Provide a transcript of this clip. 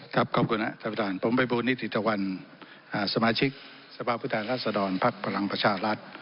ครับขอบคุณครับท่านพระพุทธรรมนิติธวรรณสมาชิกสภาพพุทธรรมรัฐสดรพลังประชาฬรัฐ